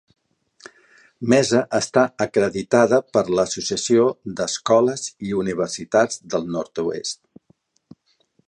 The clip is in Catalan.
Mesa està acreditada per l'Associació d'Escoles i Universitats del Nord-oest.